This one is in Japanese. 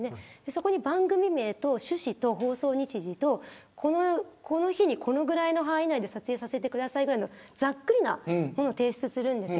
そこに番組名と趣旨と放送日時とこの日に、このぐらいの範囲内で撮影させてくださいというざっくりなものを提出するんです。